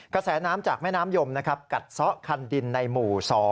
กระแสน้ำจากแม่น้ำยมนะครับกัดซะคันดินในหมู่๒